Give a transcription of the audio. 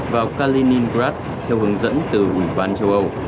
vào kaliningrad theo hướng dẫn từ ủy ban châu âu